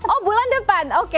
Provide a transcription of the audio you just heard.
oh bulan depan oke